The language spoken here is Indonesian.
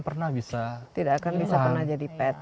pernah bisa tidak akan bisa pernah jadi pet